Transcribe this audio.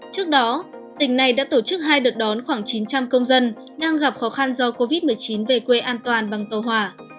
trước đó tỉnh này đã tổ chức hai đợt đón khoảng chín trăm linh công dân đang gặp khó khăn do covid một mươi chín về quê an toàn bằng tàu hỏa